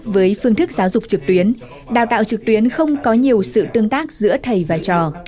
với phương thức giáo dục trực tuyến đào tạo trực tuyến không có nhiều sự tương tác giữa thầy và trò